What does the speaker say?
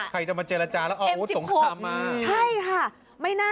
ใครจะมาเจรจาแล้วอาวุธสงครามมา